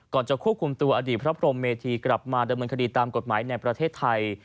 จะควบคุมตัวอดีตพระพรมเมธีกลับมาดำเนินคดีตามกฎหมายในประเทศไทย